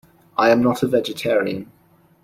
I am not a vegetarian.